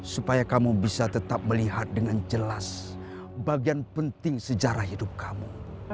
supaya kamu bisa tetap melihat dengan jelas bagian penting sejarah hidup kamu